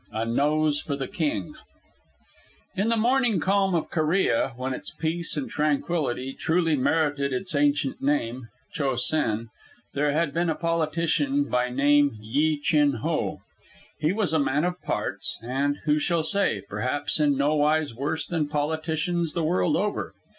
A NOSE FOR THE KING In the morning calm of Korea, when its peace and tranquillity truly merited its ancient name, "Cho sen," there lived a politician by name Yi Chin Ho. He was a man of parts, and who shall say? perhaps in no wise worse than politicians the world over.